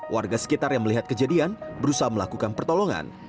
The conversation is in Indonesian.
warga sekitar yang melihat kejadian berusaha melakukan pertolongan